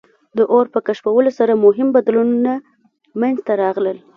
د اور په کشفولو سره مهم بدلونونه منځ ته راغلل.